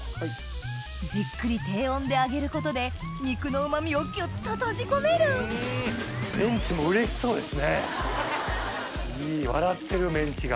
じっくり低温で揚げることで肉のうま味をギュっと閉じ込める笑ってるメンチが。